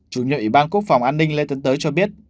chủ nhiệm ủy ban quốc phòng an ninh lê tấn tới cho biết